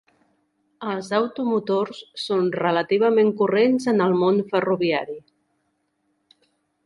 Els automotors són relativament corrents en el món ferroviari.